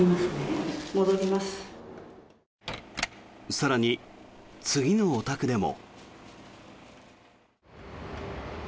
更に、次のお宅でも。